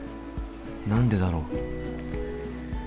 何でだろう？